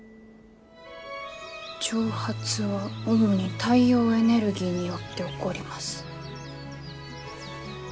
「蒸発は主に太陽エネルギーによって起こります」。